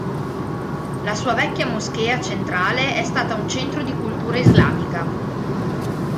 La sua vecchia moschea centrale è stata un centro di cultura islamica.